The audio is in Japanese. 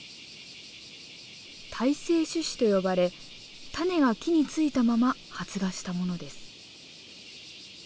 「胎生種子」と呼ばれタネが木についたまま発芽したものです。